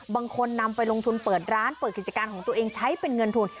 บางคนนำไปลงทุนเปิดร้านเปิดกิจการของตัวเองใช้เป็นเงินทุน